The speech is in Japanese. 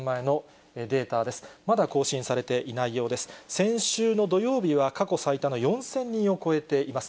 先週の土曜日は過去最多の４０００人を超えています。